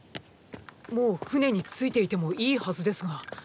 もう船に着いていてもいいはずですが。